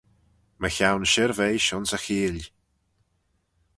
Mychione shirveish ayns y cheeill.